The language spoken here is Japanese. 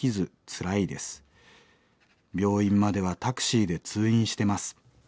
病院まではタクシーで通院してます。